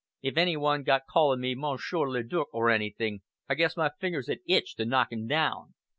If any one got calling me Monsieur le Duc of anything, I guess my fingers 'd itch to knock him down.